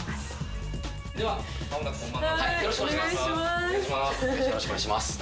よろしくお願いします。